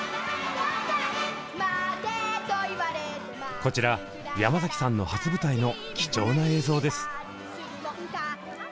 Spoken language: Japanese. こちら山崎さんの初舞台の貴重な映像です。